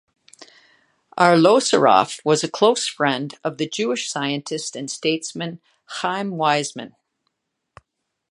Arlosoroff was a close friend of the Jewish scientist and statesman, Chaim Weizmann.